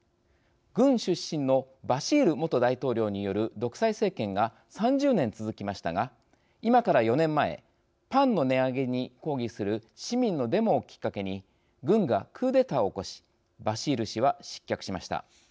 軍出身のバシール元大統領による独裁政権が３０年続きましたが今から４年前パンの値上げに抗議する市民のデモをきっかけに軍がクーデターを起こしバシール氏は失脚しました。